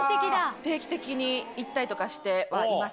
定期的に行ったりとかしてはいます。